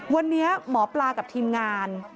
วันนี้หมอปลากับทีมงาน